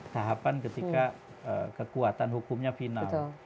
tahapan ketika kekuatan hukumnya final